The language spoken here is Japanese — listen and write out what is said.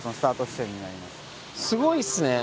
すごいっすね。